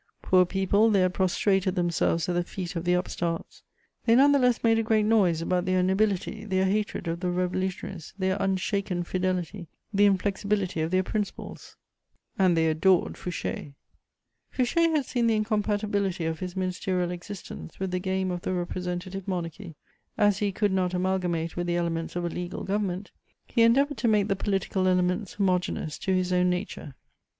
Poor people, they had prostrated themselves at the feet of the "upstarts;" they none the less made a great noise about their nobility, their hatred of the Revolutionaries, their unshaken fidelity, the inflexibility of their principles: and they adored Fouché. Fouché had seen the incompatibility of his ministerial existence with the game of the Representative Monarchy: as he could not amalgamate with the elements of a legal government, he endeavoured to make the political elements homogeneous to his own nature.